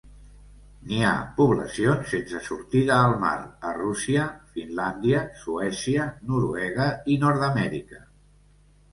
N'hi ha poblacions sense sortida al mar a Rússia, Finlàndia, Suècia, Noruega i Nord-amèrica.